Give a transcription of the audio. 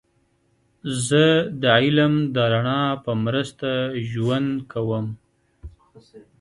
زه د علم د رڼا په مرسته ژوند کوم.